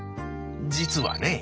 実はね